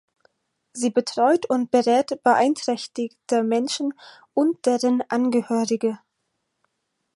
Sie betreut und berät beeinträchtigte Menschen und deren Angehörige.